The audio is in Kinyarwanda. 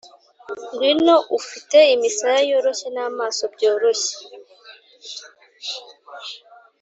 ngwino ufite imisaya yoroshye n'amaso byoroshye